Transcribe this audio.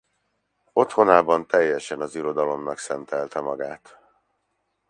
Otthonában teljesen az irodalomnak szentelte magát.